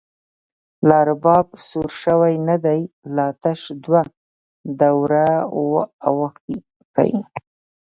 لا رباب سور شوۍ ندۍ، لا تش دوه دوره اوښتۍ